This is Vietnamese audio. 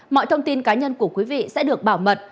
mọi thông tin cá nhân của quý vị sẽ được bảo mật